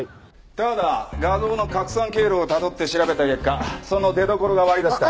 多和田画像の拡散経路をたどって調べた結果その出どころが割り出せた。